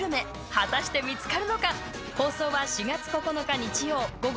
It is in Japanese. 果たして見つかるのか？